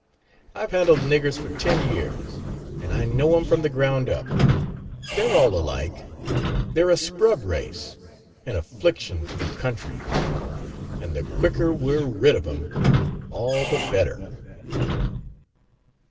I've handled niggers for ten years, and I know 'em from the ground up. They're all alike, they're a scrub race, an affliction to the country, and the quicker we're rid of 'em all the better."